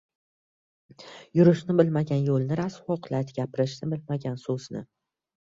• Yurishni bilmagan yo‘lni rasvo qiladi, gapirishni bilmagan ― so‘zni.